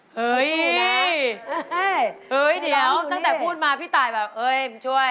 เฮ้ยเดี๋ยวแต่พูดมาพี่ใส่แบบมันช่วย